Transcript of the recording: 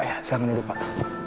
ya saya menunggu pak